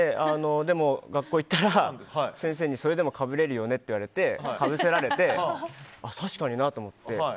でも学校に行ったら先生に、それでもかぶれるよねと言われてかぶせられてあ、確かになと思って。